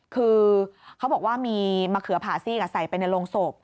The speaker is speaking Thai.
คือเขาบอกว่ามีมะเขือผ่าซีกใส่ไปในโรงศพ